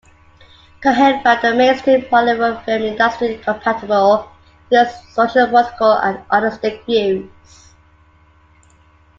Cohen found the mainstream Hollywood film industry incompatible with his sociopolitical and artistic views.